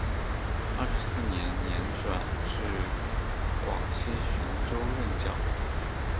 二十四年年转至广西浔州任教。